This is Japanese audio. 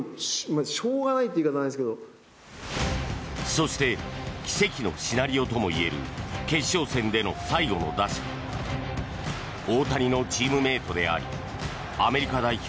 そして奇跡のシナリオともいえる決勝戦での最後の打者大谷のチームメートでありアメリカ代表